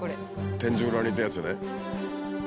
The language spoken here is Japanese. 天井裏にいたやつね。